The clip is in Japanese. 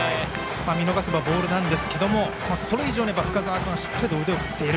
見逃せばボールなんですがそれ以上に深沢君がしっかり腕を振っている。